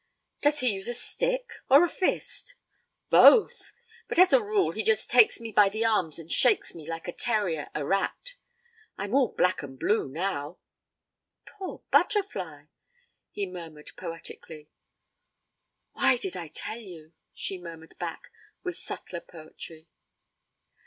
Does he use a stick or a fist?' 'Both! But as a rule he just takes me by the arms and shakes me like a terrier a rat. I'm all black and blue now.' 'Poor butterfly!' he murmured poetically. 'Why did I tell you?' she murmured back with subtler poetry.